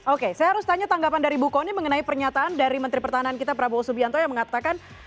oke saya harus tanya tanggapan dari bu kony mengenai pernyataan dari menteri pertahanan kita prabowo subianto yang mengatakan